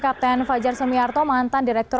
kapten fajar semiarto mantan direktur